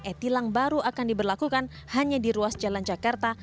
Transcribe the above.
e tilang baru akan diberlakukan hanya di ruas jalan jakarta